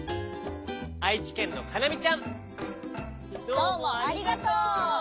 どうもありがとう！